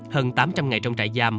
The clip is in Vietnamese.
hơn tám trăm linh ngày trong trại giam